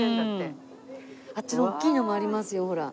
あっちの大きいのもありますよほら。